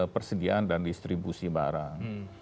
persediaan dan distribusi barang